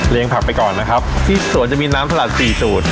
ผักไปก่อนนะครับที่สวนจะมีน้ำสลัดสี่สูตร